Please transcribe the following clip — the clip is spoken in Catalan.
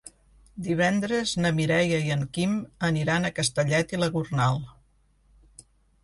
Divendres na Mireia i en Quim aniran a Castellet i la Gornal.